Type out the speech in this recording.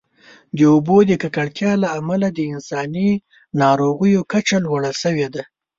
د اوبو د ککړتیا له امله د انساني ناروغیو کچه لوړه شوې ده.